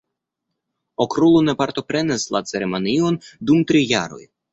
Okrulo ne partoprenis la ceremonion dum tri jaroj.